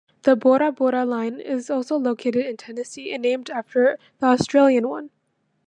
A Burra Burra mine is located in Tennessee and named after the Australian one.